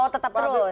oh tetap terus